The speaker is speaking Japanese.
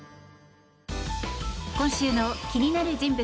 今週の気になる人物